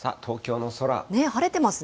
晴れてますね。